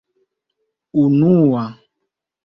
unua